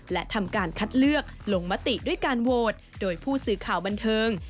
และทำการคัดเลือกลงมติด้วยการโหวตโดยผู้สื่อข่าวบันเทิง